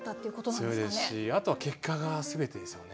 強いですしあとは結果が全てですよね。